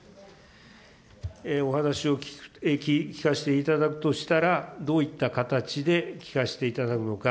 お話を聞かせていただくとしたら、どういった形で聞かせていただくのか。